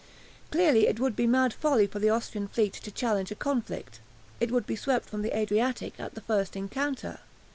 Clearly it would be mad folly for the Austrian fleet to challenge a conflict! It would be swept from the Adriatic at the first encounter!